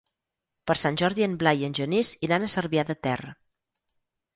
Per Sant Jordi en Blai i en Genís iran a Cervià de Ter.